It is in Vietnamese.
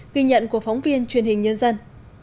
ghi nhận của phóng viên truyền hình nhân dân